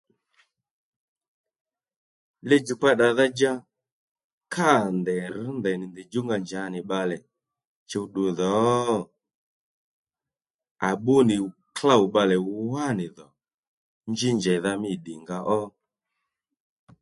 Li-djùkpa ddàdha-dja kâ ndèy rr̂ ndèynì ndèy djúnga djǎ nì bbalè chuw ddudho? À bbú nì klôw bbalè wánì dhò njí njèydha mî ddìnga ó